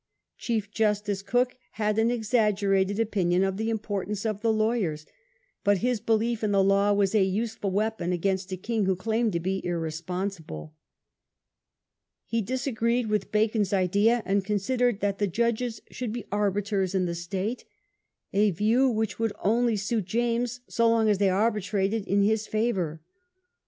Chief justice Coke had an exaggerated opinion of the importance of the lawyers, but his belief in the law was a useful weapon against a king who claimed to be irresponsible. He dis agreed with Bacon's idea, and considered that the judges should be arbiters in the state, a view which would only suit James so long as they arbitrated in his favour.